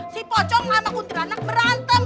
si pocong sama kuntilanak berantem